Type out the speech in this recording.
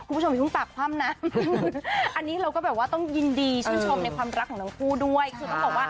คุณผู้ชมพี่ต้องปากความนั้นนี่เราก็แบบว่าต้องยินดีชุยชมในความรักของตัวคู่ด้วยค่ะค่ะ